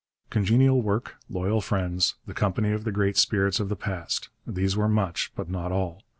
Congenial work, loyal friends, the company of the great spirits of the past these were much, but not all.